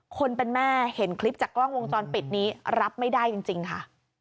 คนเป็นแม่เห็นคลิปจากกล้องวงจรปิดนี้รับไม่ได้จริงค่ะ